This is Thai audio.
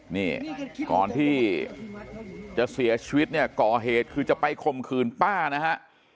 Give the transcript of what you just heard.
นี่ก่อนที่จะเสียชีวิตเนี่ยก่อเหตุคือจะไปข่มขืนป้านะฮะ